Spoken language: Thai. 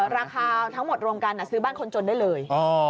ราคาทั้งหมดรวมกันซื้อบ้านคนจนได้เลย